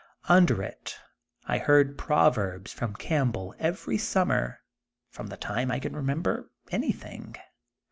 Under it I heard proverbs from Campbell every summer, from the time I can remember anything.